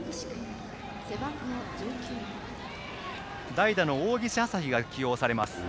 代打の大岸旭が起用されます。